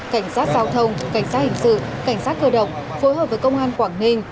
cảnh sát giao thông cảnh sát hình sự cảnh sát cơ động phối hợp với công an quảng ninh